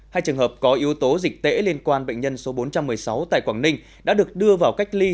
hai trường hợp có yếu tố dịch tễ liên quan bệnh nhân số bốn trăm một mươi sáu tại quảng ninh đã được đưa vào cách ly